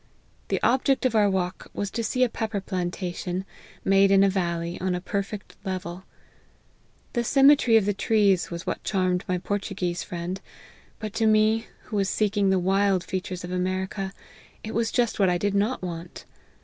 The object of our walk was to see a pepper plantation, made in a valley, on a perfect level. The symmetry of the trees was what charmed my Portuguese friend ; but to me, who was seeking the wild features of America, it was just what I did not want.